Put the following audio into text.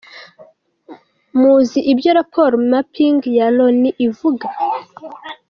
Muzi ibyo rapport mapping ya Loni ivuga.